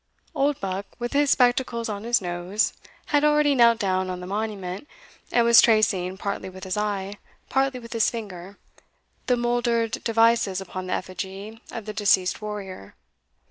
Oldbuck, with his spectacles on his nose, had already knelt down on the monument, and was tracing, partly with his eye, partly with his finger, the mouldered devices upon the effigy of the deceased warrior.